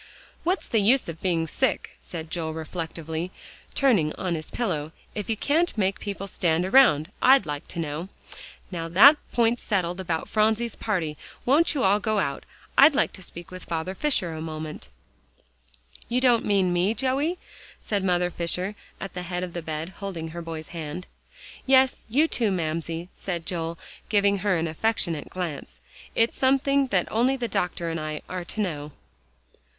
"What's the use of being sick," said Joel reflectively, turning on his pillow, "if you can't make people stand around, I'd like to know. Now that point's settled about Phronsie's party, won't you all go out? I'd like to speak to Father Fisher a moment." "You don't mean me, Joey?" said Mother Fisher at the head of the bed, holding her boy's hand. "Yes; you, too, Mamsie," said Joel, giving her an affectionate glance, "it's something that only the doctor and I are to know."